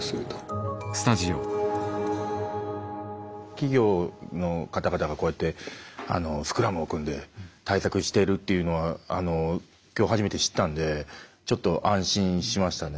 企業の方々がこうやってスクラムを組んで対策してるというのは今日初めて知ったんでちょっと安心しましたね。